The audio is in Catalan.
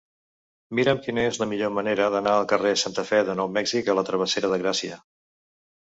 Mira'm quina és la millor manera d'anar del carrer de Santa Fe de Nou Mèxic a la travessera de Gràcia.